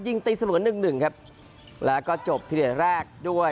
ยิงตีเสมอหนึ่งหนึ่งครับแล้วก็จบทีเด็ดแรกด้วย